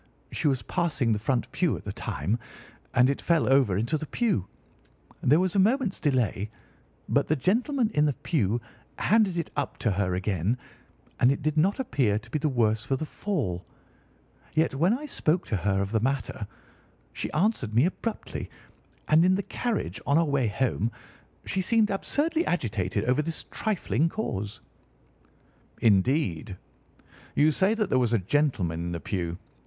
She was passing the front pew at the time, and it fell over into the pew. There was a moment's delay, but the gentleman in the pew handed it up to her again, and it did not appear to be the worse for the fall. Yet when I spoke to her of the matter, she answered me abruptly; and in the carriage, on our way home, she seemed absurdly agitated over this trifling cause." "Indeed! You say that there was a gentleman in the pew.